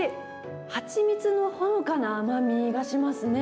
蜂蜜のほのかな甘みがしますね。